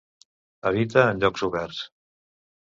Habita en llocs oberts.